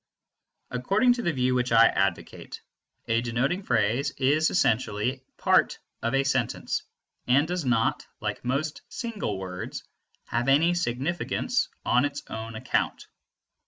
According to the view which I advocate, a denoting phrase is essentially part of a sentence, and does not, like most single words, have any significance on its own account.